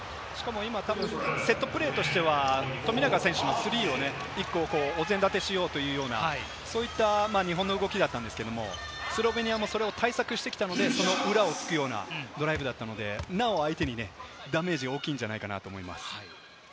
セットプレーとしては富永選手のスリーをお膳立てしようというような日本の動きだったんですけれども、スロベニアも対策してきたので、その裏を突くようなドライブだったので、なお相手にダメージが大きいのではないかと思います。